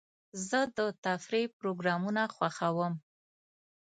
زه د تفریح پروګرامونه خوښوم.